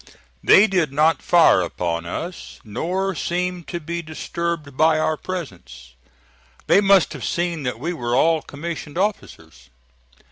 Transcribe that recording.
They did not fire upon us nor seem to be disturbed by our presence. They must have seen that we were all commissioned officers.